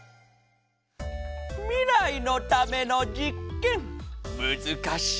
みらいのためのじっけんむずかしいのう。